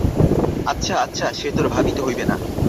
আচ্ছা আচ্ছা, সে তোর ভাবিতে হইবে না।